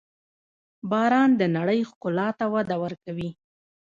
• باران د نړۍ ښکلا ته وده ورکوي.